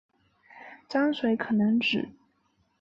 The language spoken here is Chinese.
章水可能指